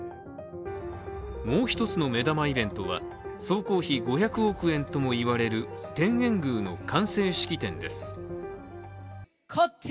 もう一つの目玉のイベントは総工費５００億円ともいわれる天苑宮の完成式典です。